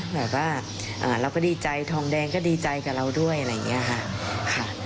แบบว่าเราก็ดีใจทองแดงก็ดีใจกับเราด้วยอะไรอย่างนี้ค่ะ